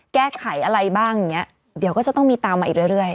แก้ไขอะไรบ้างอย่างนี้เดี๋ยวก็จะต้องมีตามมาอีกเรื่อย